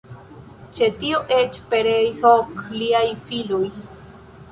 Ĉe tio eĉ pereis ok liaj filoj.